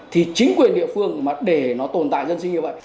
thì chính quyền địa phương mà để nó tồn tại dân sinh như vậy